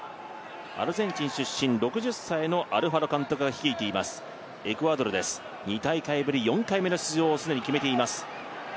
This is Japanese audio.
アルゼンチン出身６０歳のアルファロ監督が率いていますエクアドルです、２大会ぶり４回目の出場を既に決めています。